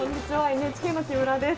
ＮＨＫの木村です。